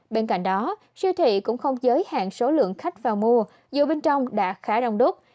bên cạnh đó siêu thị cũng không giới hạn số lượng khách vào mua dù bên trong đã khá đông đúc